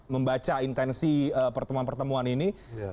membaca intensi pertemuan pertemuan ini